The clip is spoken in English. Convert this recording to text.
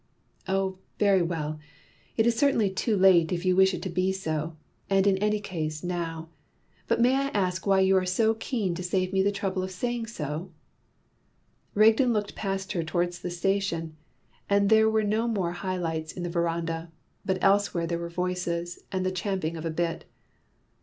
"Oh, very well! It is certainly too late if you wish it to be so, and in any case now. But may I ask why you are so keen to save me the trouble of saying so?" Rigden looked past her towards the station, and there were no more high lights in the verandah; but elsewhere there were voices, and the champing of a bit.